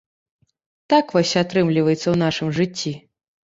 Так вось атрымліваецца ў нашым жыцці.